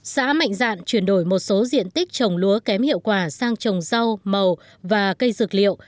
xã mạnh dạn chuyển đổi một số diện tích trồng lúa kém hiệu quả sang trồng rau màu và cây dược liệu